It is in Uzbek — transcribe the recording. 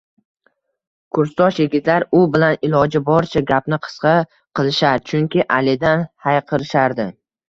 Kursdosh yigitlar u bilan iloji boricha gapni qisqa qilishar, chunki Alidan hayiqishardi